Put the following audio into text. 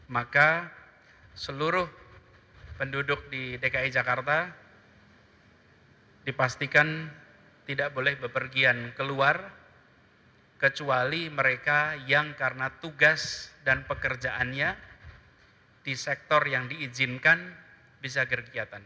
maka seluruh penduduk di dki jakarta dipastikan tidak boleh bepergian keluar kecuali mereka yang karena tugas dan pekerjaannya di sektor yang diizinkan bisa berkegiatan